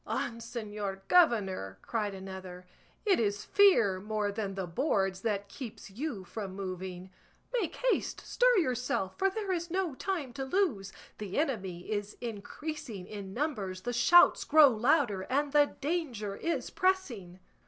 "On, señor governor!" cried another, "it is fear more than the boards that keeps you from moving; make haste, stir yourself, for there is no time to lose; the enemy is increasing in numbers, the shouts grow louder, and the danger is pressing."